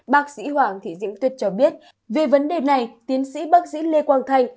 bác sĩ hoàng thị diễm tuyết cho biết về vấn đề này tiến sĩ bác sĩ lê quang thanh